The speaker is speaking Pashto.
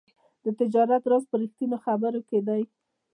د تجارت راز په رښتیني خبرو کې دی.